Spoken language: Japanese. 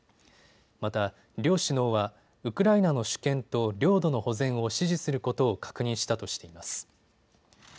また、両首脳はウクライナの主権と領土の保全を支持することを確認したとしています。